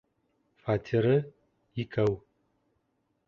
Фатиры... икәү.